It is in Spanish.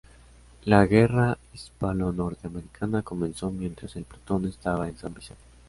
La Guerra Hispano-Norteamericana comenzó mientras el "Plutón" estaba en San Vicente.